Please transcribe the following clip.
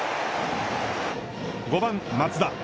５番、松田。